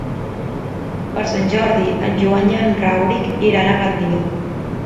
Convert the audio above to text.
Per Sant Jordi en Joan i en Rauric iran a Gandia.